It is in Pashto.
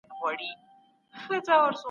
هلته چې یوازې پوهه ده.